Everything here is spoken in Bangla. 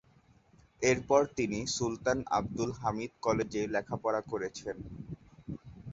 এরপর তিনি সুলতান আবদুল হামিদ কলেজে লেখাপড়া করেছেন।